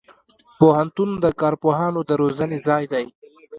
پوهنتون د کارپوهانو د روزنې ځای دی.